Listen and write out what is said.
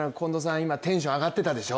今、テンション上がってたでしょ。